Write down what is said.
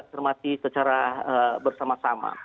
cermati secara bersama sama